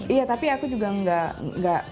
iya tapi aku juga nggak